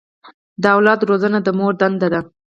د اولاد روزنه د مور دنده ده.